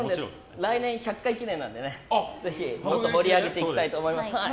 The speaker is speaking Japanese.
来年１００回記念なのでもっと盛り上げていきたいと思います。